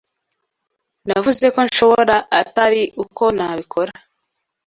Navuze ko nshobora, atari uko nabikora.